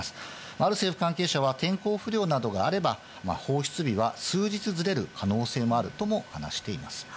ある政府関係者は、天候不良などがあれば、放出日は数日ずれる可能性もあるとも話しています。